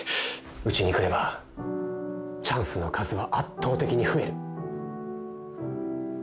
うちに来ればチャンスの数は圧倒的に増える。